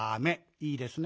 いいですね？